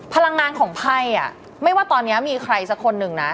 พลังงานของไพ่ไม่ว่าตอนนี้มีใครสักคนหนึ่งนะ